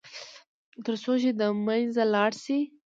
تر څو چې د منځه لاړ شي.